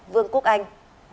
vương quốc anh